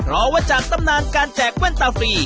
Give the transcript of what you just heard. รอว่าจากตำนานการแจกแว่นตาฟรี